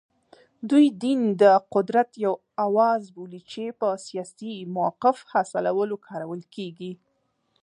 دوی دین د قدرت یو اوزار بولي چې په سیاسي موقف حاصلولو کارول کېږي